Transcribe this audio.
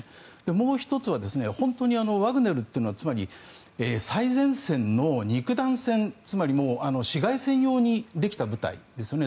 もう１つは本当にワグネルっていうのは最前線の肉弾戦つまり市街戦用にできた部隊ですよね。